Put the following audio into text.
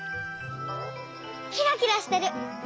キラキラしてる。